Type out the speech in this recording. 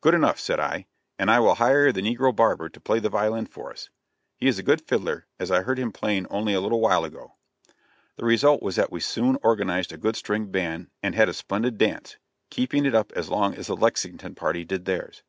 "Good enough!" said I, "and I will hire the negro barber to play the violin for us. He is a good fiddler, as I heard him playing only a little while ago." The result was that we soon organized a good string band and had a splendid dance, keeping it up as long as the Lexington party did theirs.